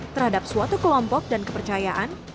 terhadap suatu kelompok dan kepercayaan